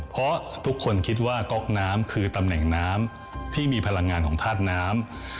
เพราะทุกคนคิดว่าก๊อกน้ำคือตำแหน่งน้ำที่มีพลังงานของธาตุน้ำ